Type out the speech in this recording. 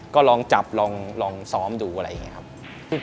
ก็ลองจับลองซ้อมดูอะไรอย่างนี้ครับ